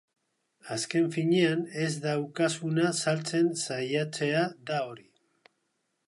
Azken finean, ez daukazuna saltzen saiatzea da hori.